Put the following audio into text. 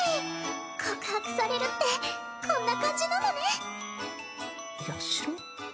告白されるってこんな感じなのねヤシロ？